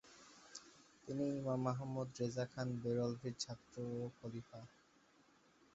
তিনি ইমাম আহমদ রেজা খান বেরলভীর ছাত্র ও খলিফা।